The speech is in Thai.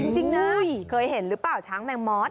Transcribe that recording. จริงนะเคยเห็นหรือเปล่าช้างแมงมอส